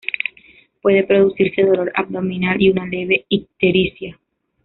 Puede producirse dolor abdominal y una leve ictericia.